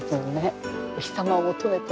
お日様を求めて。